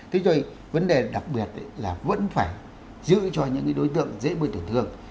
thế rồi vấn đề đặc biệt là vẫn phải giữ cho những đối tượng dễ bị tổn thương